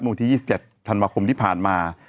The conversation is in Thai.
วันที่๒๗ธันวาคมที่ผ่านมา